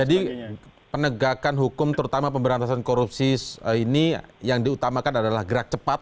jadi penegakan hukum terutama pemberantasan korupsi ini yang diutamakan adalah gerak cepat